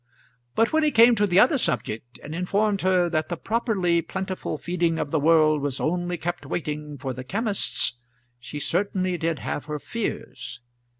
But when he came to the other subject, and informed her that the properly plentiful feeding of the world was only kept waiting for the chemists, she certainly did have her fears.